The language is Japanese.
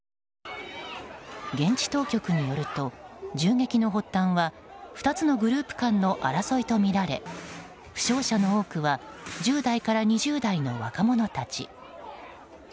現地当局によると銃撃の発端は２つのグループ間の争いとみられ負傷者の多くは１０代から２０代の若者たち。